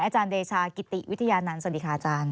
อาจารย์เดชากิติวิทยานันต์สวัสดีค่ะอาจารย์